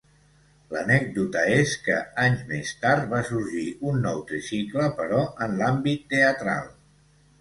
L’anècdota és que, anys més tard va sorgir un nou Tricicle però en l’àmbit teatral.